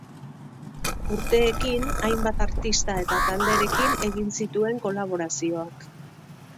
Urteekin, hainbat artista eta talderekin egin zituen kolaborazioak.